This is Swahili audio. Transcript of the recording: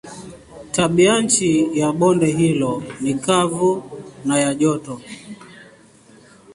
Tabianchi ya bonde hilo ni kavu na ya joto.